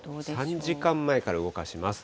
３時間前から動かします。